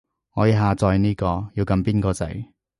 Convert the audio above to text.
我要下載呢個，要撳邊個掣